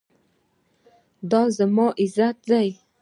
دا زموږ عزت دی